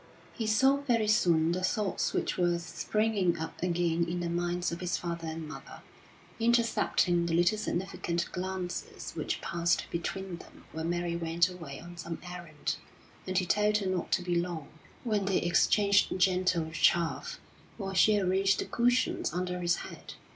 He saw very soon the thoughts which were springing up again in the minds of his father and mother, intercepting the little significant glances which passed between them when Mary went away on some errand and he told her not to be long, when they exchanged gentle chaff, or she arranged the cushions under his head.